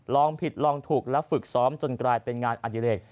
ลองผิดลองถูกและฝึกซ้อมจนกลายเป็นงานอดิเรก